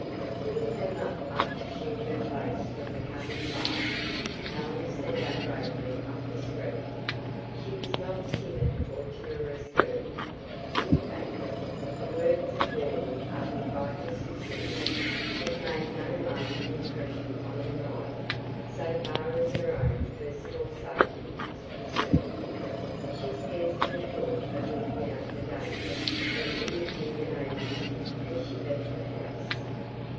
Putting her muff up to shield her face from the cutting blast, Helen set out bravely up the street. She was not a timid or timorous girl. In fact, the words of warning uttered by her sister in law had made no lasting impression on her mind, so far as her own personal safety was concerned. She scarcely thought of looking out for danger from any human agency as she left the house.